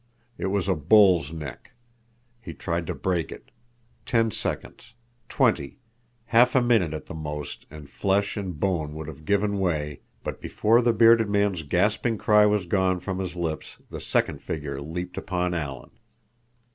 It was a bull's neck. He tried to break it. Ten seconds—twenty—half a minute at the most—and flesh and bone would have given way—but before the bearded man's gasping cry was gone from his lips the second figure leaped upon Alan.